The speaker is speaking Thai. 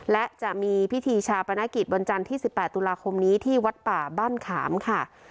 และจะมีพิธีชาปนกิจวันจันทร์ที่๑๘ตุลาคมนี้ที่วัดป่าบ้านขามค่ะ